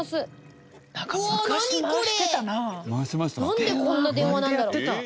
なんでこんな電話なんだろう？